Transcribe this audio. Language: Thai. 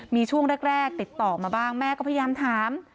มีช่วงแรกติดต่อมาบ้างแม่ก็พยายามถาม